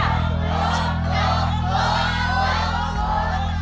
ถูก